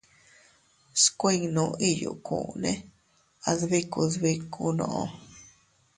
Skuinnu iyukune adbiku dbikunoo.